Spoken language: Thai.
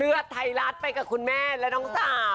เลือดไทยรัฐไปกับคุณแม่และน้องสาว